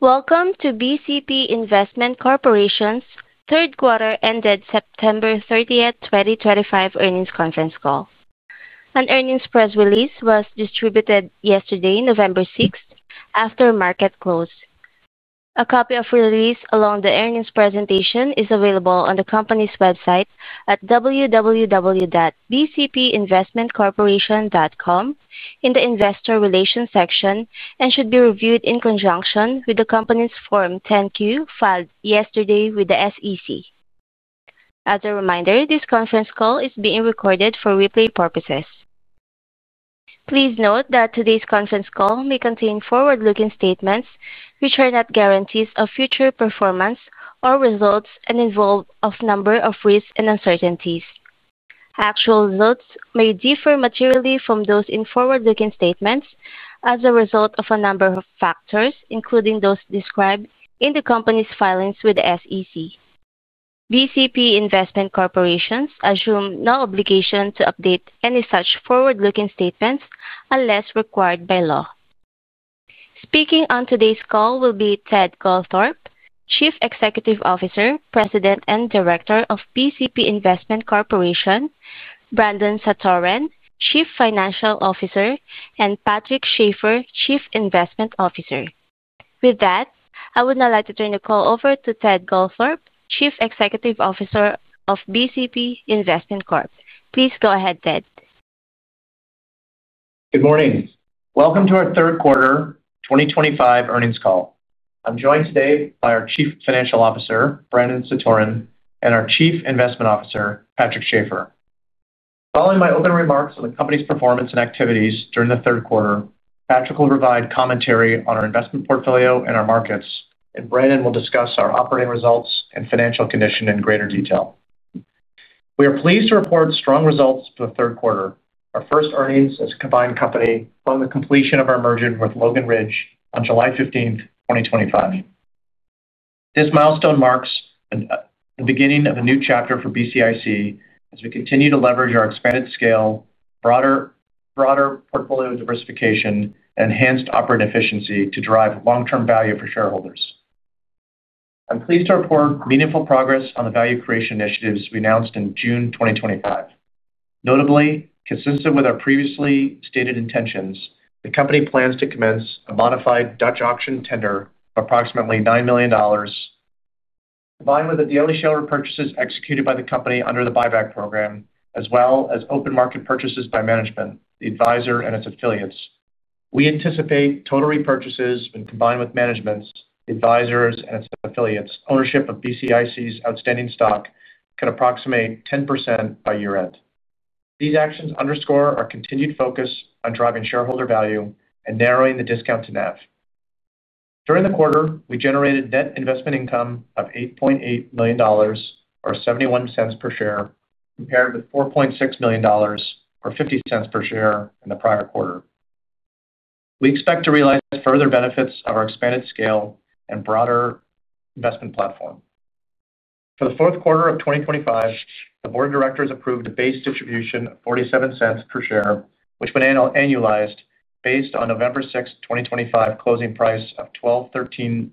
Welcome to BCP Investment Corporation's third-quarter September 30th, 2025 earnings conference call. An earnings press release was distributed yesterday, November 6th, after market close. A copy of the release along with the earnings presentation is available on the company's website at www.bcpinvestmentcorporation.com in the Investor Relations section and should be reviewed in conjunction with the company's Form 10-Q filed yesterday with the SEC. As a reminder, this conference call is being recorded for replay purposes. Please note that today's conference call may contain forward-looking statements which are not guarantees of future performance or results and involve a number of risks and uncertainties. Actual results may differ materially from those in forward-looking statements as a result of a number of factors, including those described in the company's filings with the SEC. BCP Investment Corporation assumes no obligation to update any such forward-looking statements unless required by law. Speaking on today's call will be Ted Goldthorpe, Chief Executive Officer, President and Director of BCP Investment Corporation, Brandon Satoren, Chief Financial Officer, and Patrick Schaefer, Chief Investment Officer. With that, I would now like to turn the call over to Ted Goldthorpe, Chief Executive Officer of BCP Investment Corporation. Please go ahead, Ted. Good morning. Welcome to our third-quarter 2025 earnings call. I'm joined today by our Chief Financial Officer, Brandon Satoren, and our Chief Investment Officer, Patrick Schaefer. Following my opening remarks on the company's performance and activities during the third quarter, Patrick will provide commentary on our investment portfolio and our markets, and Brandon will discuss our operating results and financial condition in greater detail. We are pleased to report strong results for the third quarter, our first earnings as a combined company following the completion of our merger with Logan Ridge Finance Corporation on July 15th, 2025. This milestone marks the beginning of a new chapter for BCP Investment Corporation as we continue to leverage our expanded scale, broader portfolio diversification, and enhanced operating efficiency to drive long-term value for shareholders. I'm pleased to report meaningful progress on the value creation initiatives we announced in June 2025. Notably, consistent with our previously stated intentions, the company plans to commence a modified Dutch auction tender of approximately $9 million, combined with the daily shareholder purchases executed by the company under the buyback program, as well as open market purchases by management, the advisor, and its affiliates. We anticipate total repurchases when combined with management, the advisor's, and its affiliates' ownership of BCIC's outstanding stock can approximate 10% by year-end. These actions underscore our continued focus on driving shareholder value and narrowing the discount to NAV. During the quarter, we generated net investment income of $8.8 million, or $0.71 per share, compared with $4.6 million, or $0.50 per share, in the prior quarter. We expect to realize further benefits of our expanded scale and broader investment platform. For the fourth quarter of 2025, the board of directors approved a base distribution of $0.47 per share, which, when annualized based on the November 6th, 2025, closing price of $12.13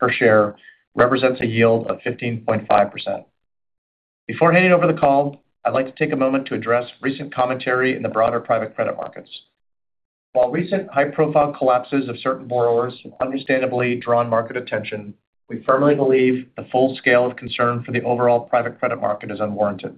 per share, represents a yield of 15.5%. Before handing over the call, I'd like to take a moment to address recent commentary in the broader private credit markets. While recent high-profile collapses of certain borrowers have understandably drawn market attention, we firmly believe the full scale of concern for the overall private credit market is unwarranted.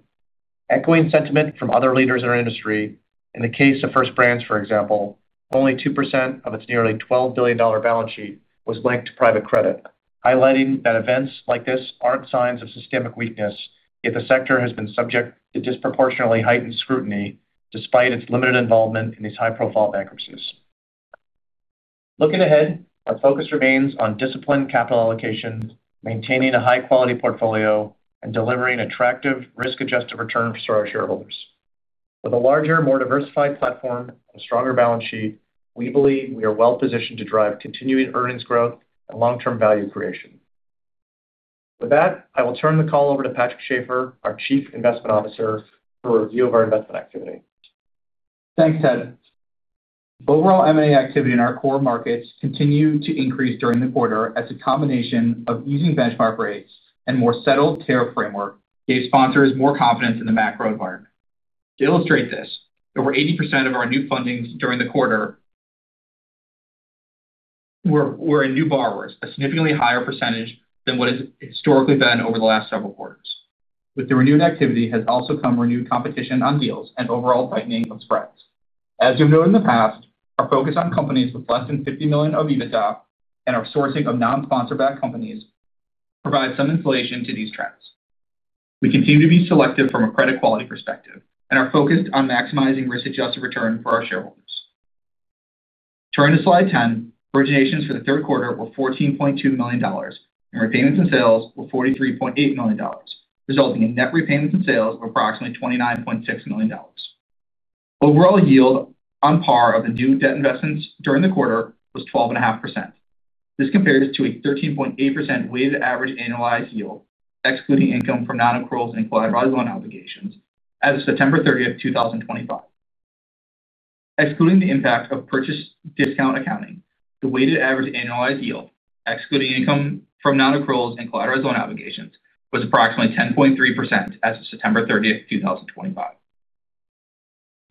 Echoing sentiment from other leaders in our industry, in the case of First Brands, for example, only 2% of its nearly $12 billion balance sheet was linked to private credit, highlighting that events like this aren't signs of systemic weakness if the sector has been subject to disproportionately heightened scrutiny despite its limited involvement in these high-profile bankruptcies. Looking ahead, our focus remains on disciplined capital allocation, maintaining a high-quality portfolio, and delivering attractive risk-adjusted returns for our shareholders. With a larger, more diversified platform and a stronger balance sheet, we believe we are well-positioned to drive continuing earnings growth and long-term value creation. With that, I will turn the call over to Patrick Schaefer, our Chief Investment Officer, for a review of our investment activity. Thanks, Ted. Overall M&A activity in our core markets continued to increase during the quarter as a combination of easing benchmark rates and a more settled tariff framework gave sponsors more confidence in the macro environment. To illustrate this, over 80% of our new funding during the quarter were in new borrowers, a significantly higher percentage than what it has historically been over the last several quarters. With the renewed activity has also come renewed competition on deals and overall tightening of spreads. As we've noted in the past, our focus on companies with less than $50 million of EBITDA and our sourcing of non-sponsored-backed companies provides some insulation to these trends. We continue to be selective from a credit quality perspective and are focused on maximizing risk-adjusted return for our shareholders. Turning to slide 10, originations for the third quarter were $14.2 million, and repayments and sales were $43.8 million, resulting in net repayments and sales of approximately $29.6 million. Overall yield on par of the new debt investments during the quarter was 12.5%. This compares to a 13.8% weighted average annualized yield, excluding income from non-accruals and collateralized loan obligations, as of September 30th, 2025. Excluding the impact of purchase discount accounting, the weighted average annualized yield, excluding income from non-accruals and collateralized loan obligations, was approximately 10.3% as of September 30th, 2025.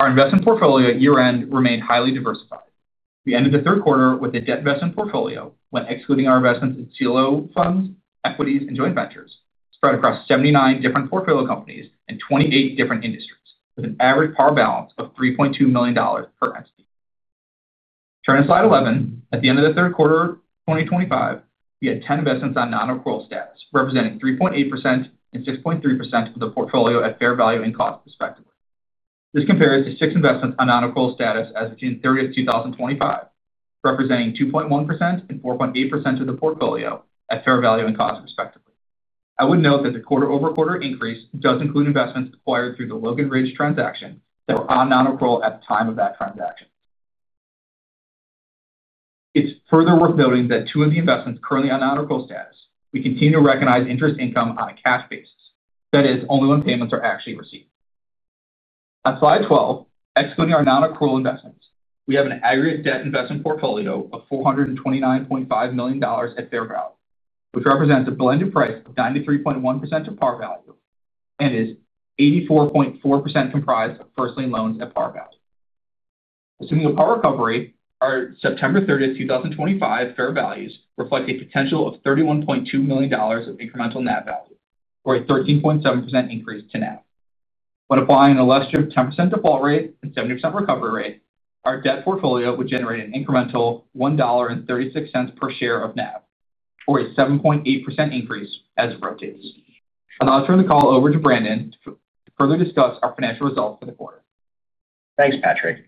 Our investment portfolio at year-end remained highly diversified. We ended the third quarter with a debt investment portfolio, when excluding our investments in CLO funds, equities, and joint ventures, spread across 79 different portfolio companies and 28 different industries, with an average par balance of $3.2 million per entity. Turning to slide 11, at the end of the third quarter of 2025, we had 10 investments on non-accrual status, representing 3.8% and 6.3% of the portfolio at fair value and cost, respectively. This compares to six investments on non-accrual status as of June 30, 2025, representing 2.1% and 4.8% of the portfolio at fair value and cost, respectively. I would note that the quarter-over-quarter increase does include investments acquired through the Logan Ridge transaction that were on non-accrual at the time of that transaction. It is further worth noting that two of the investments currently on non-accrual status, we continue to recognize interest income on a cash basis, that is, only when payments are actually received. On slide 12, excluding our non-accrual investments, we have an aggregate debt investment portfolio of $429.5 million at fair value, which represents a blended price of 93.1% of par value and is 84.4% comprised of first-lien loans at par value. Assuming a par recovery, our September 30th, 2025, fair values reflect a potential of $31.2 million of incremental NAV value, or a 13.7% increase to NAV. When applying an elective 10% default rate and 70% recovery rate, our debt portfolio would generate an incremental $1.36 per share of NAV, or a 7.8% increase as it rotates. I'll now turn the call over to Brandon to further discuss our financial results for the quarter. Thanks, Patrick.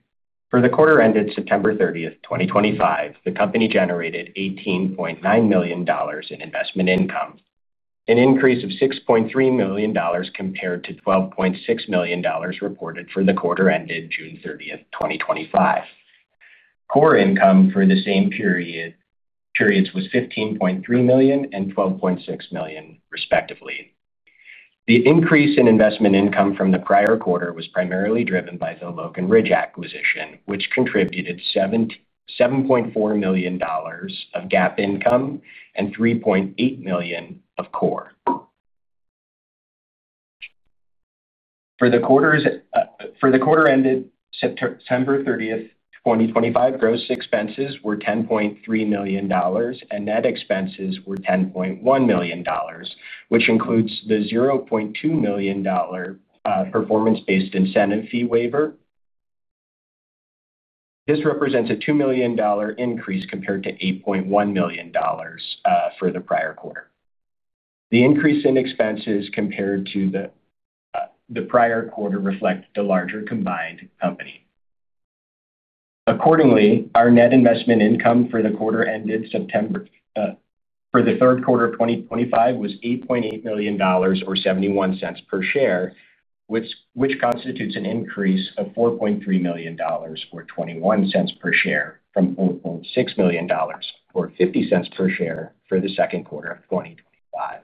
For the quarter ended September 30th, 2025, the company generated $18.9 million in investment income, an increase of $6.3 million compared to $12.6 million reported for the quarter ended June 30th, 2025. Core income for the same period was $15.3 million and $12.6 million, respectively. The increase in investment income from the prior quarter was primarily driven by the Logan Ridge acquisition, which contributed $7.4 million of GAAP income and $3.8 million of core. For the quarter ended September 30th, 2025, gross expenses were $10.3 million, and net expenses were $10.1 million, which includes the $0.2 million performance-based incentive fee waiver. This represents a $2 million increase compared to $8.1 million for the prior quarter. The increase in expenses compared to the prior quarter reflects the larger combined company. Accordingly, our net investment income for the quarter ended September for the third quarter of 2025 was $8.8 million, or $0.71 per share, which constitutes an increase of $4.3 million, or $0.21 per share, from $4.6 million, or $0.50 per share for the second quarter of 2025.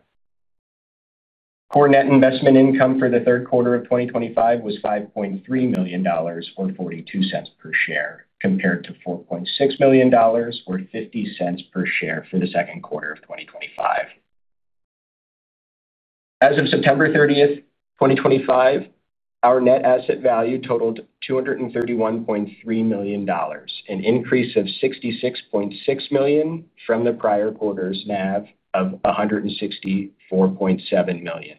Core net investment income for the third quarter of 2025 was $5.3 million, or $0.42 per share, compared to $4.6 million, or $0.50 per share for the second quarter of 2025. As of September 30th, 2025, our net asset value totaled $231.3 million, an increase of $66.6 million from the prior quarter's NAV of $164.7 million.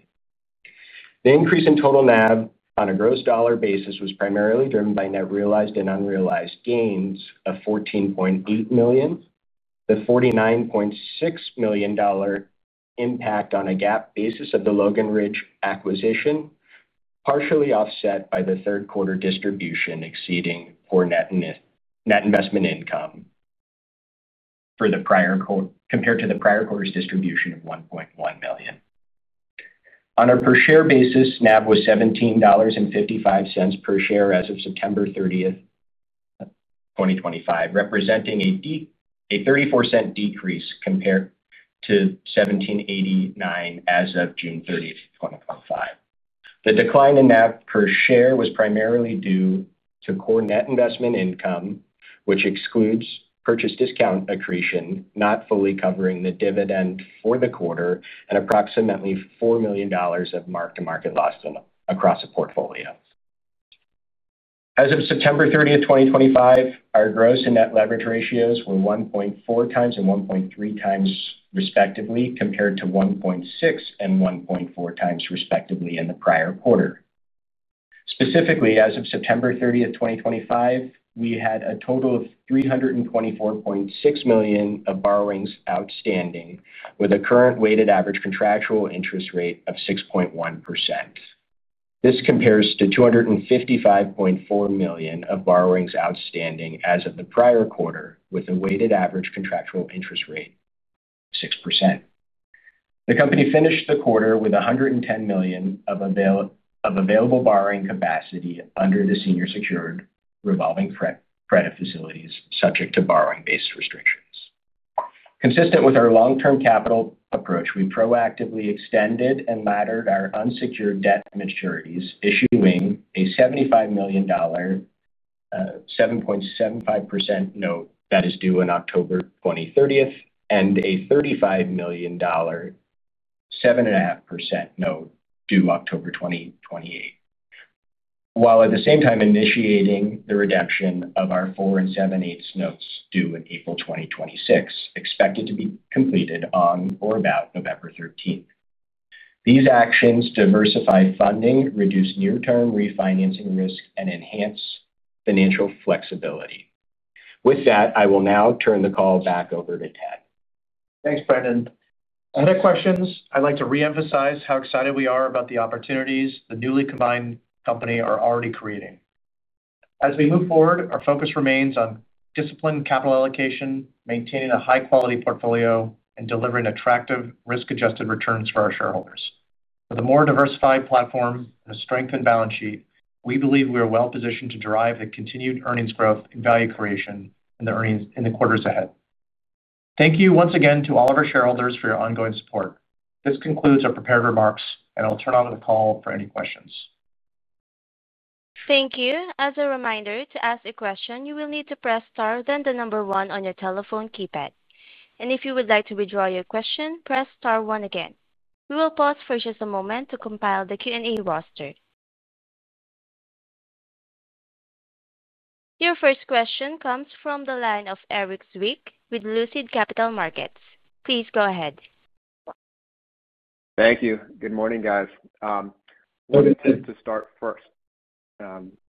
The increase in total NAV on a gross dollar basis was primarily driven by net realized and unrealized gains of $14.8 million, the $49.6 million impact on a GAAP basis of the Logan Ridge acquisition, partially offset by the third quarter distribution exceeding core net investment income for the prior compared to the prior quarter's distribution of $1.1 million. On a per-share basis, NAV was $17.55 per share as of September 30th, 2025, representing a $0.34 decrease compared to $17.89 as of June 30th, 2025. The decline in NAV per share was primarily due to core net investment income, which excludes purchase discount accretion, not fully covering the dividend for the quarter, and approximately $4 million of mark-to-market loss across the portfolio. As of September 30th, 2025, our gross and net leverage ratios were 1.4x and 1.3x, respectively, compared to 1.6x and 1.4x, respectively, in the prior quarter. Specifically, as of September 30th, 2025, we had a total of $324.6 million of borrowings outstanding, with a current weighted average contractual interest rate of 6.1%. This compares to $255.4 million of borrowings outstanding as of the prior quarter, with a weighted average contractual interest rate of 6%. The company finished the quarter with $110 million of available borrowing capacity under the senior secured revolving credit facilities, subject to borrowing-based restrictions. Consistent with our long-term capital approach, we proactively extended and laddered our unsecured debt maturities, issuing a $75 million 7.75% note that is due in October 2030 and a $35 million 7.5% note due October 2028, while at the same time initiating the redemption of our 4 and 7/8 notes due in April 2026, expected to be completed on or about November 13th. These actions diversify funding, reduce near-term refinancing risk, and enhance financial flexibility. With that, I will now turn the call back over to Ted. Thanks, Brandon. I had a question. I'd like to re-emphasize how excited we are about the opportunities the newly combined company is already creating. As we move forward, our focus remains on disciplined capital allocation, maintaining a high-quality portfolio, and delivering attractive risk-adjusted returns for our shareholders. With a more diversified platform and a strengthened balance sheet, we believe we are well-positioned to drive the continued earnings growth and value creation in the quarters ahead. Thank you once again to all of our shareholders for your ongoing support. This concludes our prepared remarks, and I'll turn on the call for any questions. Thank you. As a reminder, to ask a question, you will need to press star then the number one on your telephone keypad. If you would like to withdraw your question, press star one again. We will pause for just a moment to compile the Q&A roster. Your first question comes from the line of Erik Zwick with Lucid Capital Markets. Please go ahead. Thank you. Good morning, guys. I wanted to start first.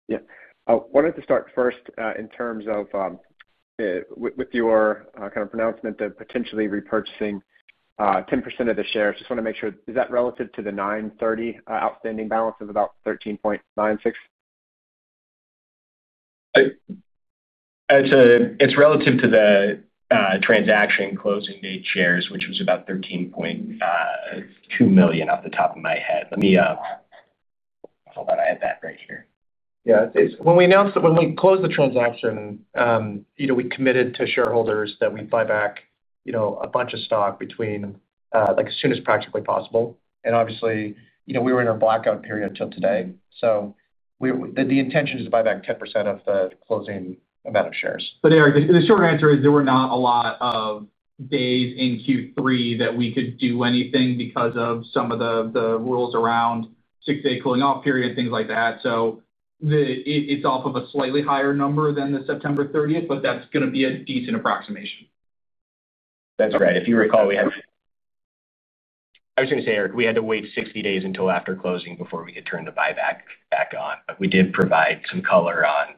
Yeah. I wanted to start first in terms of with your kind of pronouncement of potentially repurchasing 10% of the shares. Just want to make sure, is that relative to the 930 outstanding balance of about $13.96? It's relative to the transaction closing date shares, which was about $13.2 million off the top of my head. Let me hold on. I have that right here. Yeah. When we announced that when we closed the transaction, we committed to shareholders that we'd buy back a bunch of stock as soon as practically possible. Obviously, we were in our blackout period until today. The intention is to buy back 10% of the closing amount of shares. Erik, the short answer is there were not a lot of days in Q3 that we could do anything because of some of the rules around six-day cooling-off period and things like that. It is off of a slightly higher number than September 30th, but that is going to be a decent approximation. That's right. If you recall, we had—I was going to say, Erik, we had to wait 60 days until after closing before we could turn the buyback back on. We did provide some color on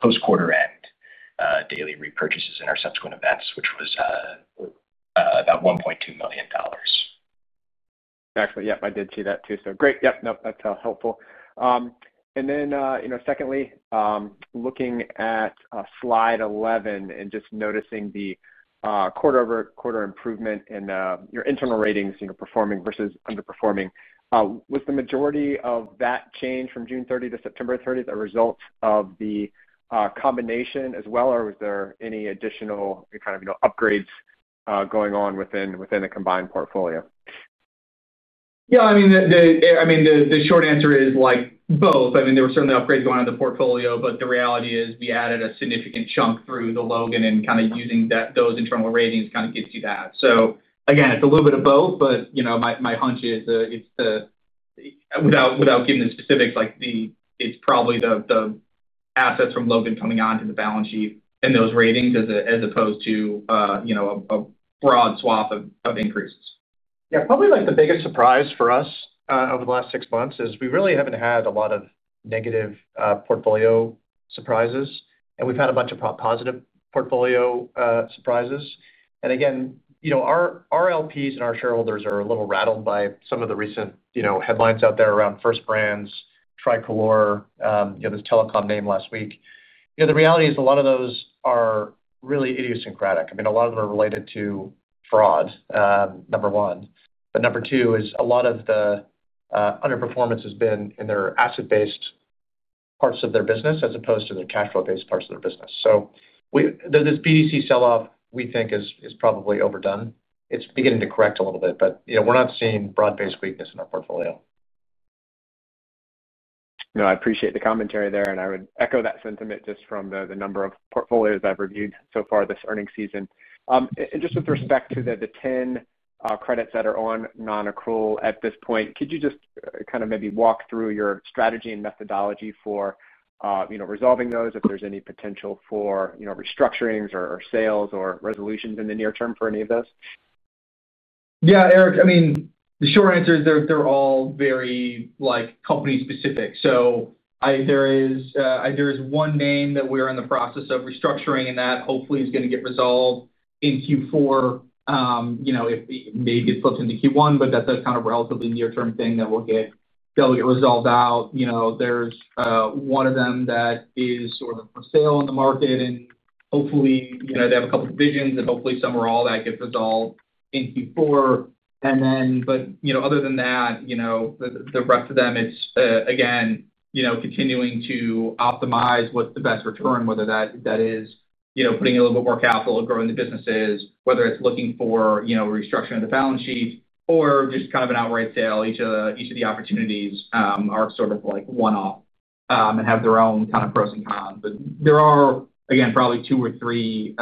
post-quarter-end daily repurchases in our subsequent events, which was about $1.2 million. Actually, yep, I did see that too. Great. Yep. Nope. That's helpful. Secondly, looking at slide 11 and just noticing the quarter-over-quarter improvement in your internal ratings, performing versus underperforming, was the majority of that change from June 30th-September 30th a result of the combination as well, or was there any additional kind of upgrades going on within the combined portfolio? Yeah. I mean, the short answer is both. I mean, there were certainly upgrades going on in the portfolio, but the reality is we added a significant chunk through the Logan, and kind of using those internal ratings kind of gets you that. Again, it's a little bit of both, but my hunch is without giving the specifics, it's probably the assets from Logan coming onto the balance sheet and those ratings as opposed to a broad swath of increases. Yeah. Probably the biggest surprise for us over the last six months is we really haven't had a lot of negative portfolio surprises, and we've had a bunch of positive portfolio surprises. Again, our RLPs and our shareholders are a little rattled by some of the recent headlines out there around First Brands, Tricolor, this telecom name last week. The reality is a lot of those are really idiosyncratic. I mean, a lot of them are related to fraud, number one. Number two is a lot of the underperformance has been in their asset-based parts of their business as opposed to their cash flow-based parts of their business. This BDC selloff, we think, is probably overdone. It's beginning to correct a little bit, but we're not seeing broad-based weakness in our portfolio. No, I appreciate the commentary there, and I would echo that sentiment just from the number of portfolios I've reviewed so far this earnings season. Just with respect to the 10 credits that are on non-accrual at this point, could you just kind of maybe walk through your strategy and methodology for resolving those, if there's any potential for restructurings or sales or resolutions in the near term for any of those? Yeah, Erik, I mean, the short answer is they're all very company-specific. There is one name that we're in the process of restructuring, and that hopefully is going to get resolved in Q4. Maybe it slips into Q1, but that's a kind of relatively near-term thing that will get resolved out. There is one of them that is sort of for sale on the market, and hopefully, they have a couple of divisions, and hopefully, some or all of that gets resolved in Q4. Other than that, the rest of them, it's again, continuing to optimize what's the best return, whether that is putting in a little bit more capital, growing the businesses, whether it's looking for restructuring of the balance sheet or just kind of an outright sale. Each of the opportunities are sort of one-off and have their own kind of pros and cons. There are, again, probably two or three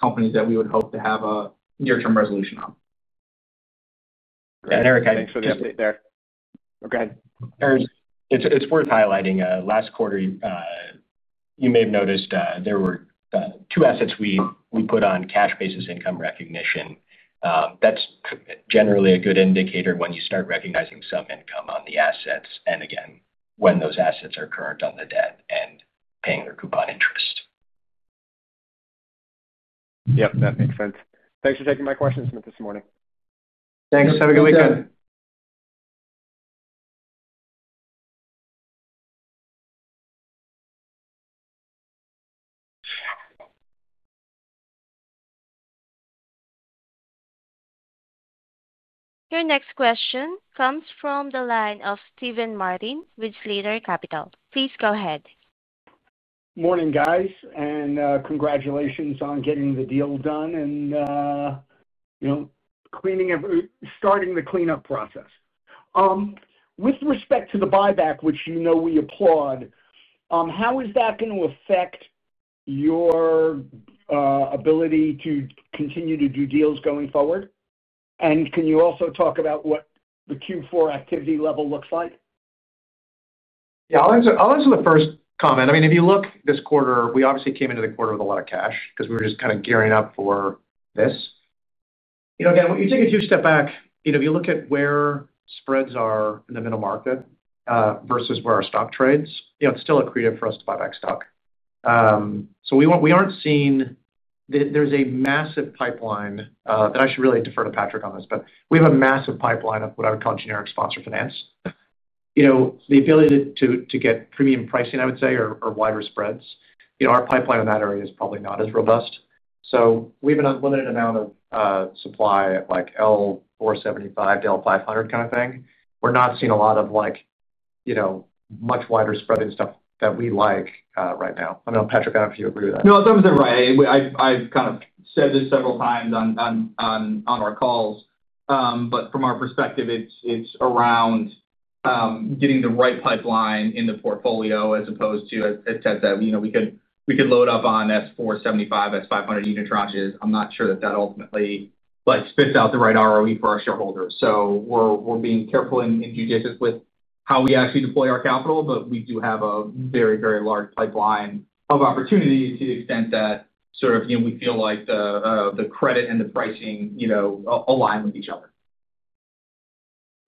companies that we would hope to have a near-term resolution on. Erik, I think for the update there—oh, go ahead. Erik, it's worth highlighting. Last quarter, you may have noticed there were two assets we put on cash-basis income recognition. That's generally a good indicator when you start recognizing some income on the assets and, again, when those assets are current on the debt and paying their coupon interest. Yep. That makes sense. Thanks for taking my questions, Smith, this morning. Thanks. Have a good weekend. Your next question comes from the line of Steven Martin with Slater Capital. Please go ahead. Morning, guys, and congratulations on getting the deal done and starting the cleanup process. With respect to the buyback, which we applaud, how is that going to affect your ability to continue to do deals going forward? Can you also talk about what the Q4 activity level looks like? Yeah. I'll answer the first comment. I mean, if you look this quarter, we obviously came into the quarter with a lot of cash because we were just kind of gearing up for this. Again, when you take a two-step back, if you look at where spreads are in the middle market versus where our stock trades, it's still accretive for us to buy back stock. We aren't seeing—there's a massive pipeline that I should really defer to Patrick on this, but we have a massive pipeline of what I would call genErik sponsor finance. The ability to get premium pricing, I would say, or wider spreads, our pipeline in that area is probably not as robust. We have an unlimited amount of supply at L475-L500 kind of thing. We're not seeing a lot of much wider spread and stuff that we like right now. I don't know, Patrick, I don't know if you agree with that. No, I thought it was right. I've kind of said this several times on our calls, but from our perspective, it's around getting the right pipeline in the portfolio as opposed to, as Ted said, we could load up on S475, S500 unit tranches. I'm not sure that that ultimately spits out the right ROE for our shareholders. We are being careful and judicious with how we actually deploy our capital, but we do have a very, very large pipeline of opportunity to the extent that sort of we feel like the credit and the pricing align with each other.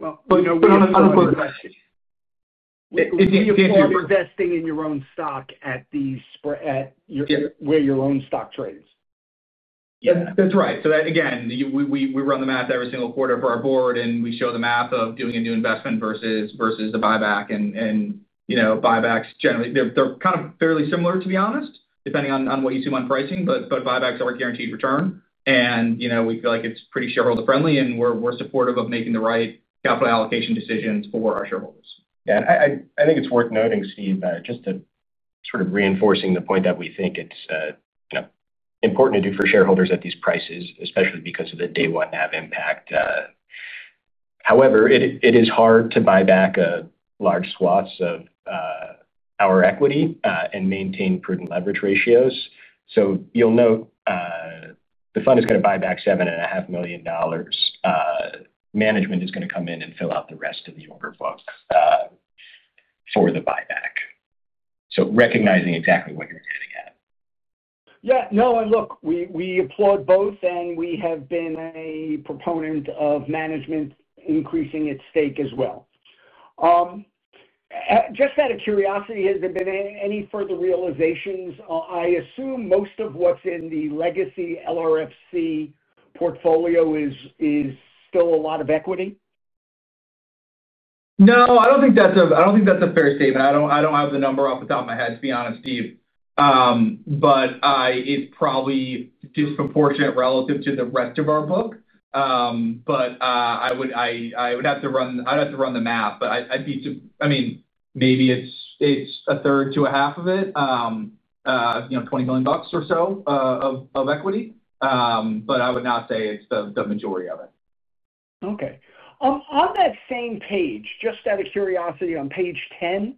On a quick question. If you are investing in your own stock at where your own stock trades. Yeah. That's right. Again, we run the math every single quarter for our board, and we show the math of doing a new investment versus the buyback. Buybacks generally, they're kind of fairly similar, to be honest, depending on what you see on pricing, but buybacks are a guaranteed return. We feel like it's pretty shareholder-friendly, and we're supportive of making the right capital allocation decisions for our shareholders. Yeah. I think it's worth noting, Steve, just to sort of reinforce the point that we think it's important to do for shareholders at these prices, especially because of the day-one NAV impact. However, it is hard to buy back large swaths of our equity and maintain prudent leverage ratios. You'll note the fund is going to buy back $7.5 million. Management is going to come in and fill out the rest of the order flow for the buyback. Recognizing exactly what you're getting at. Yeah. No, and look, we applaud both, and we have been a proponent of management increasing its stake as well. Just out of curiosity, has there been any further realizations? I assume most of what's in the legacy LRFC portfolio is still a lot of equity? No, I don't think that's a—I don't think that's a fair statement. I don't have the number off the top of my head, to be honest, Steve. It's probably disproportionate relative to the rest of our book. I would have to run the math. I'd be—I mean, maybe it's a third to a half of it, $20 million or so of equity. I would not say it's the majority of it. Okay. On that same page, just out of curiosity, on page 10,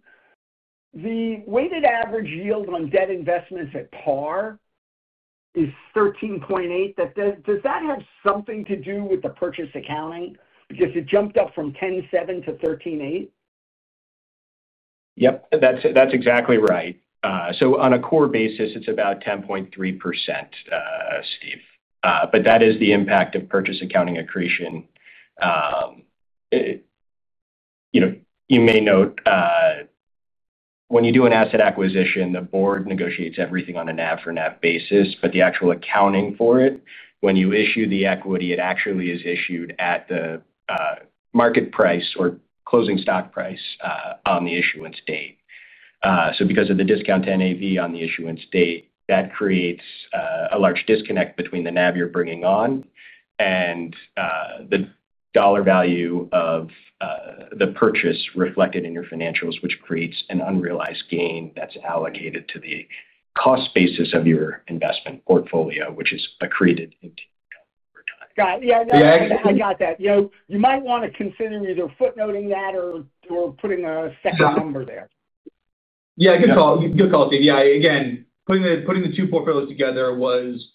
the weighted average yield on debt investments at par is 13.8%. Does that have something to do with the purchase accounting? Because it jumped up from 10.7% to 13.8%. Yep. That's exactly right. On a core basis, it's about 10.3%, Steve. That is the impact of purchase accounting accretion. You may note when you do an asset acquisition, the board negotiates everything on a NAV-for-NAV basis. The actual accounting for it, when you issue the equity, it actually is issued at the market price or closing stock price on the issuance date. Because of the discount NAV on the issuance date, that creates a large disconnect between the NAV you're bringing on and the dollar value of the purchase reflected in your financials, which creates an unrealized gain that's allocated to the cost basis of your investment portfolio, which is accreted into income over time. Got it. Yeah. I got that. You might want to consider either footnoting that or putting a second number there. Yeah. Good call, Steve. Yeah. Again, putting the two portfolios together was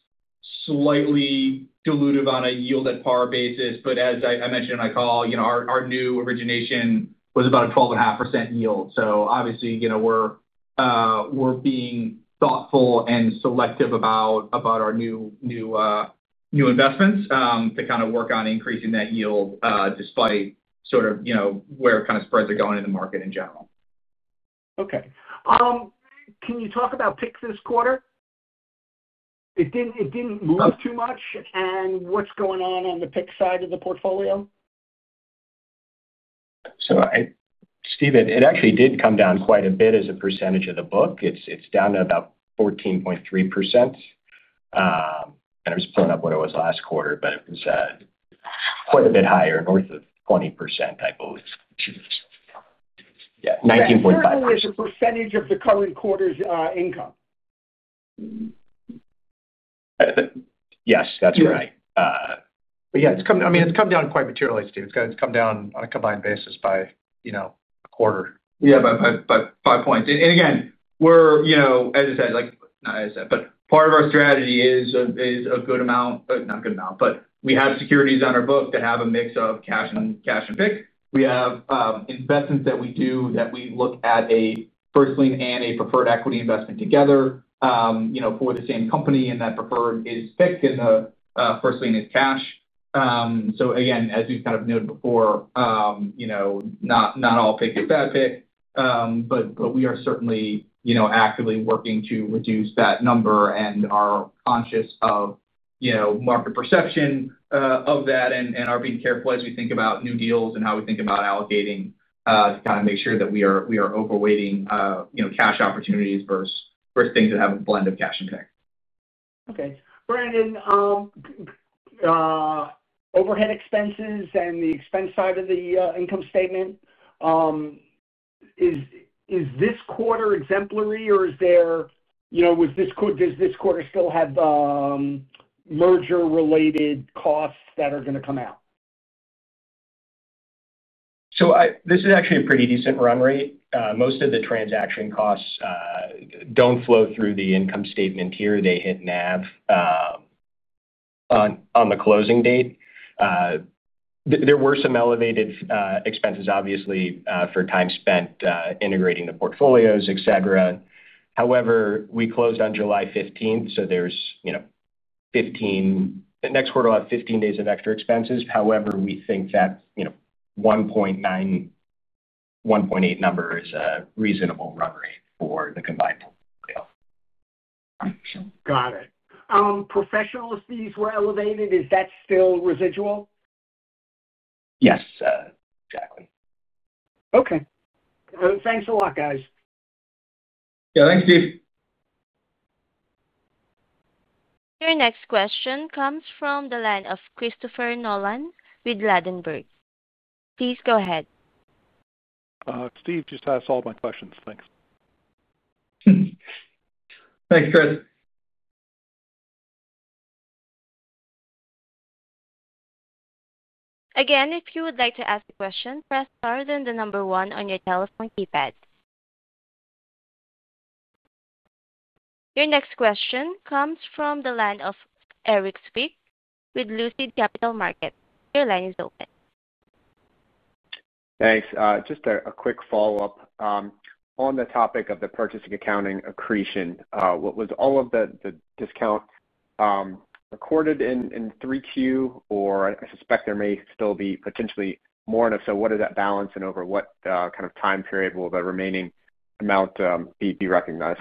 slightly dilutive on a yield-at-par basis. But as I mentioned in my call, our new origination was about a 12.5% yield. So obviously, we're being thoughtful and selective about our new investments to kind of work on increasing that yield despite sort of where kind of spreads are going in the market in general. Okay. Can you talk about PIK this quarter? It didn't move too much. And what's going on on the PIK side of the portfolio? Steve, it actually did come down quite a bit as a percentage of the book. It's down to about 14.3%. I was pulling up what it was last quarter, but it was quite a bit higher, north of 20%, I believe. Yeah. 19.5%. That's a percentage of the current quarter's income. Yes. That's right. Yeah, I mean, it's come down quite materially, Steve. It's come down on a combined basis by a quarter. Yeah. By five points. And again, as I said, not as I said, but part of our strategy is a good amount—not a good amount, but we have securities on our book that have a mix of cash and PIK. We have investments that we do that we look at a first lien and a preferred equity investment together for the same company, and that preferred is PIK, and the first lien is cash. Again, as we've kind of noted before, not all PIK is bad PIK. We are certainly actively working to reduce that number and are conscious of market perception of that and are being careful as we think about new deals and how we think about allocating to kind of make sure that we are overweighting cash opportunities versus things that have a blend of cash and PIK. Okay. Brandon, overhead expenses and the expense side of the income statement, is this quarter exemplary, or is there, does this quarter still have merger-related costs that are going to come out? This is actually a pretty decent run rate. Most of the transaction costs do not flow through the income statement here. They hit NAV on the closing date. There were some elevated expenses, obviously, for time spent integrating the portfolios, etc. However, we closed on July 15th, so next quarter will have 15 days of extra expenses. However, we think that $1.8 million number is a reasonable run rate for the combined portfolio. Got it. Professional fees were elevated. Is that still residual? Yes. Exactly. Okay. Thanks a lot, guys. Yeah. Thanks, Steve. Your next question comes from the line of Christopher Nolan with Ladenburg. Please go ahead. Steve, just asked all my questions. Thanks. Thanks, Chris. Again, if you would like to ask a question, press star then the number one on your telephone keypad. Your next question comes from the line of Erik Zwick with Lucid Capital Markets. Your line is open. Thanks. Just a quick follow-up on the topic of the purchase accounting accretion. Was all of the discount recorded in 3Q, or I suspect there may still be potentially more? If so, what does that balance, and over what kind of time period will the remaining amount be recognized?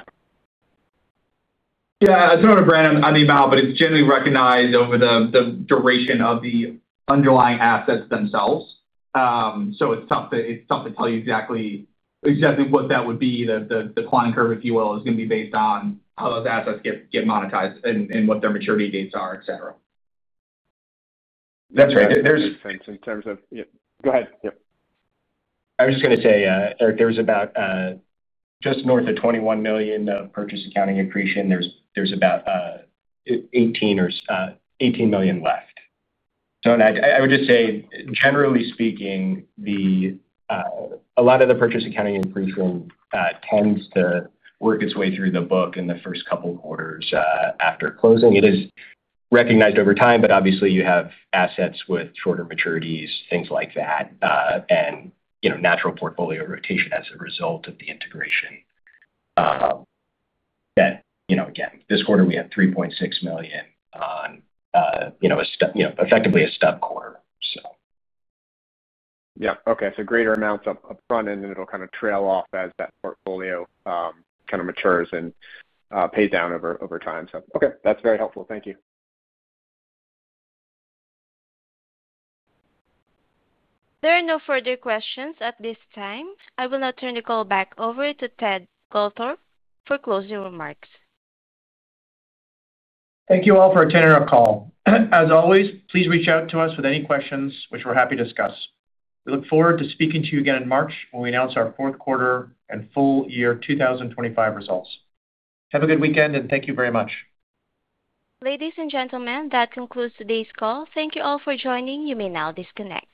Yeah. I do not know to Brandon on the amount, but it is generally recognized over the duration of the underlying assets themselves. It is tough to tell you exactly what that would be. The climb curve, if you will, is going to be based on how those assets get monetized and what their maturity dates are, etc. That's right. There's. Thanks. In terms of—yeah. Go ahead. I was just going to say, Erik, there was about just north of $21 million of purchase accounting accretion. There's about $18 million left. I would just say, generally speaking, a lot of the purchase accounting accretion tends to work its way through the book in the first couple of quarters after closing. It is recognized over time, but obviously, you have assets with shorter maturities, things like that, and natural portfolio rotation as a result of the integration that, again, this quarter, we had $3.6 million on effectively a stub quarter, so. Yeah. Okay. Greater amounts up front, and then it'll kind of trail off as that portfolio kind of matures and pays down over time. Okay. That's very helpful. Thank you. There are no further questions at this time. I will now turn the call back over to Ted Goldthorpe for closing remarks. Thank you all for attending our call. As always, please reach out to us with any questions, which we're happy to discuss. We look forward to speaking to you again in March when we announce our fourth quarter and full year 2025 results. Have a good weekend, and thank you very much. Ladies and gentlemen, that concludes today's call. Thank you all for joining. You may now disconnect.